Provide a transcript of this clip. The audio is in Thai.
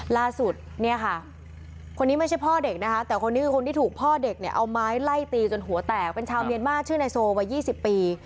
ล่าสุดเนี่ยค่ะคนนี้ไม่ใช่พ่อเด็กนะคะแต่คนนี้คือคนที่ถูกพ่อเด็กเนี่ยเอาไม้ไล่ตีจนหัวแตกเป็นชาวเมียนมาร์ชื่อนายโซวัย๒๐ปี